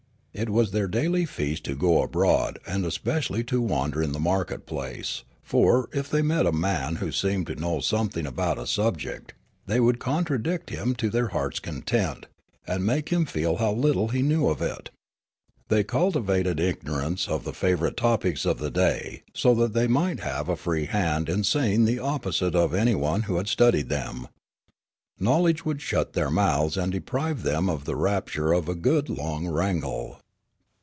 It was their daily feast to go abroad and especially to wander in the market place ; for, if they met a man who seemed to know something about a subject, they could contradict him to their heart's content, and make him feel how little he knew of it. They cultivated ignorance of the favourite topics of the day so that they might have a free hand in saying the opposite of anyone who had studied them. Knowledge would shut their mouths and deprive them of the rapture of a good long wrangle.